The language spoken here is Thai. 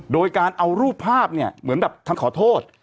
โดยการเอารูปภาพเหมือนแบบเลิกเอาขอโทษ